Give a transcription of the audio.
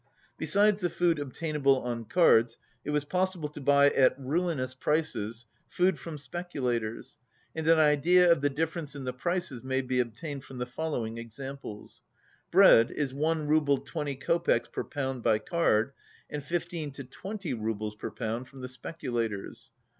Besides the food obtainable on cards it was pos sible to buy, at ruinous prices, food from specu lators, and an idea of the difference in the prices may be obtained from the following examples: Bread is one rouble 20 kopecks per pound by card and 15 to 20 roubles per pound from the specula tors.